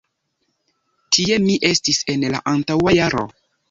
Tie mi estis en la antaŭa jaro.